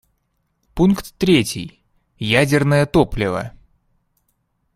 Пункт третий: ядерное топливо.